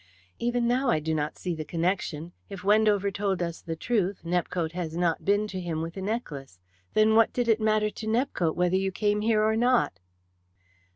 "Even now I do not see the connection. If Wendover told us the truth, Nepcote has not been to him with the necklace. Then what did it matter to Nepcote whether you came here or not?"